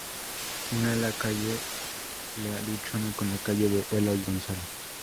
Une la calle de Luchana con la calle de Eloy Gonzalo.